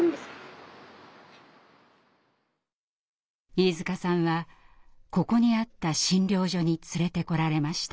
飯塚さんはここにあった診療所に連れてこられました。